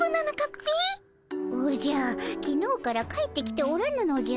おじゃきのうから帰ってきておらぬのじゃ。